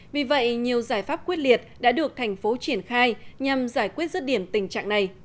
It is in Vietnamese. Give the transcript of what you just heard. vì vậy nhiều giải pháp quyết liệt đã được thành phố triển khai nhằm giải quyết rứt điểm tình trạng này